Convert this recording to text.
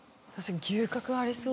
牛角ありそう。